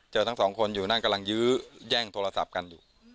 ทั้งสองคนอยู่นั่นกำลังยื้อแย่งโทรศัพท์กันอยู่